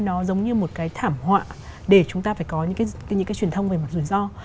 nó giống như một cái thảm họa để chúng ta phải có những cái truyền thông về mặt rủi ro